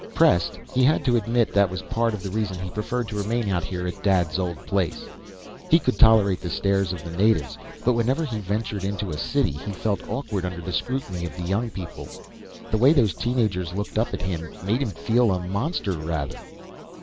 Pressed, he had to admit that was part of the reason he preferred to remain out here at Dad's old place now. He could tolerate the stares of the natives, but whenever he ventured into a city he felt awkward under the scrutiny of the young people. The way those teen agers looked up at him made him feel a monster, rather.